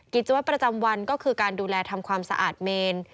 กิจวัตรประจำวันก็คือการดูแลทำความสะอาดเมน